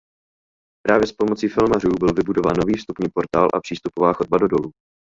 Právě s pomocí filmařů byl vybudován nový vstupní portál a přístupová chodba do dolu.